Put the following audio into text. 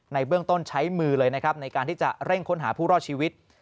เบื้องต้นใช้มือเลยนะครับในการที่จะเร่งค้นหาผู้รอดชีวิต